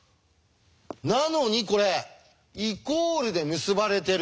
なのにこれイコールで結ばれてる。